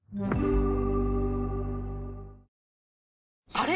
あれ？